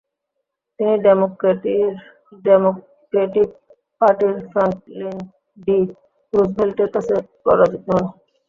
তিনি ডেমোক্র্যাটিক পার্টির Franklin D. রুজভেল্টের কাছে পরাজিত হন।